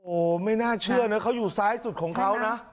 โอ้โหไม่น่าเชื่อนะเขาอยู่ซ้ายสุดของเขานะ